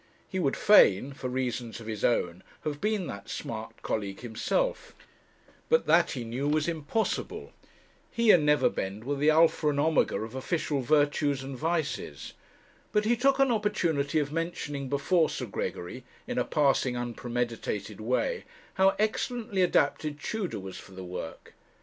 He would fain, for reasons of his own, have been that smart colleague himself; but that he knew was impossible. He and Neverbend were the Alpha and Omega of official virtues and vices. But he took an opportunity of mentioning before Sir Gregory, in a passing unpremeditated way, how excellently adapted Tudor was for the work.